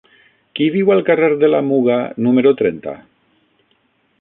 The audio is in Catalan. Qui viu al carrer de la Muga número trenta?